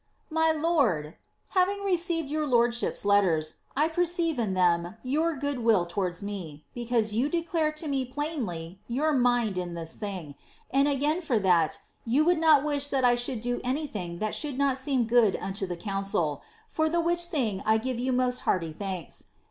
My lord, —" Having received your lordship's letters, I perceive in them your good will to« ards me, because you declare to me plainly your mind in this thing, and asain for that you would not wish that I should do anything that should not seem ^rxxl unto the connciL for the which thing I give you most hearty thanks.